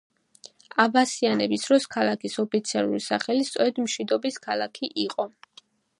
აბასიანების დროს ქალაქის ოფიციალური სახელი სწორედ მშვიდობის ქალაქი იყო.